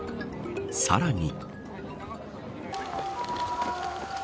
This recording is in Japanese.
さらに。